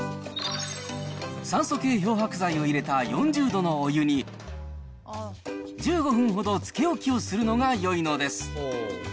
酸素系漂白剤を入れた４０度のお湯に、１５分ほどつけ置きをするのがよいのです。